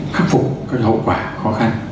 khắc phục các hậu quả khó khăn